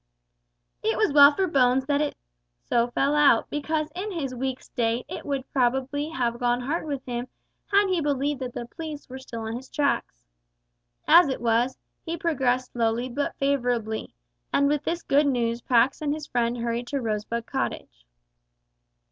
It was well for Bones that it so fell out, because in his weak state it would probably have gone hard with him had he believed that the police were still on his tracks. As it was, he progressed slowly but favourably, and with this good news Pax and his friend hurried to Rosebud Cottage.